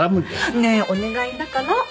ねえお願いだから。